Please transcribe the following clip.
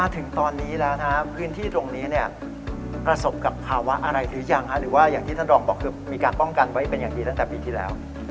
ถึงตอนนี้แล้วพื้นที่ตรงนี้ประสบกับภาวะอะไรหรือยังหรือว่าอย่างที่ท่านรองบอกคือมีการป้องกันไว้เป็นอย่างดีตั้งแต่ปีที่แล้ว